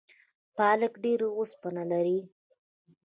پالک ډیره اوسپنه لري